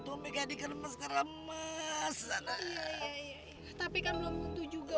tapi kan belum gitu juga